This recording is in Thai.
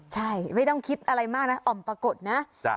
ใช่ไม่ต้องคิดอะไรมากนะอ่อมปรากฏนะ